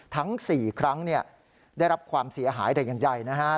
ทั้ง๔ครั้งได้รับความเสียหายใหญ่นะฮะ